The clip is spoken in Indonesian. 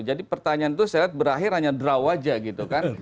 jadi pertanyaan itu saya lihat berakhir hanya draw aja gitu kan